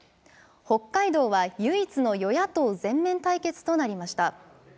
北海道は唯一の与野党全面対決となりました。